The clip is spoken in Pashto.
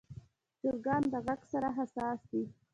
چرګان د غږ سره حساس دي.